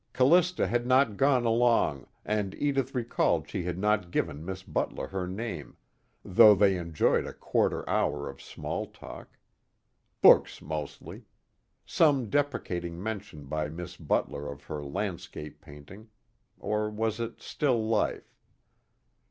Callista had not gone along, and Edith recalled she had not given Miss Butler her name, though they enjoyed a quarter hour of small talk. Books mostly; some deprecating mention by Miss Butler of her landscape painting, or was it still life?